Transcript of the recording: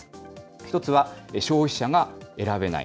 １つは、消費者が選べない。